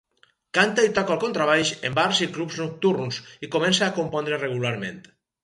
Canta i toca el contrabaix en bars i clubs nocturns, i comença a compondre regularment.